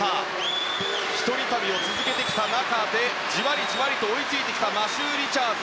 １人旅を続けてきた中でじわりじわりと追いついてきたマシュー・リチャーズ。